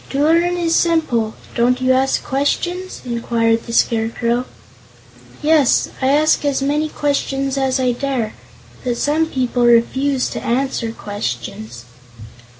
"To learn is simple. Don't you ask questions?" inquired the Scarecrow. "Yes; I ask as many questions as I dare; but some people refuse to answer questions."